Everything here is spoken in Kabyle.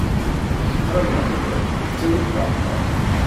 Lketṛa n leḥbab ittawi d laɛtab.